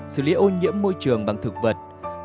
xử lý ô nhiễm môi trường bằng thực vật